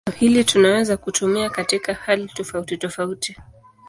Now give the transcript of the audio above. Neno hili tunaweza kutumia katika hali tofautitofauti.